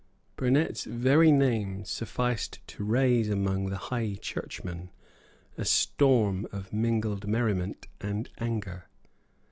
Burnet's very name sufficed to raise among the High Churchmen a storm of mingled merriment and anger.